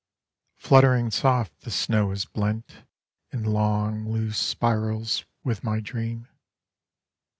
Fluttering and soft the snow is blent In long loose spirals with my dream.